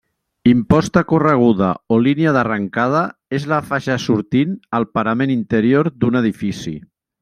Imposta correguda, o línia d'arrencada, és la faixa sortint al parament interior d'un edifici.